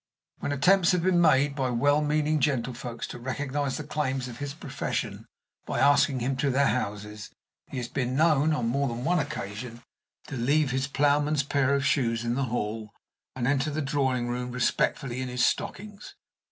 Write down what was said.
When attempts have been made by well meaning gentlefolks to recognize the claims of his profession by asking him to their houses, he has been known, on more than one occasion, to leave his plowman's pair of shoes in the hall, and enter the drawing room respectfully in his stockings.